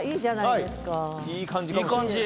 いい感じ！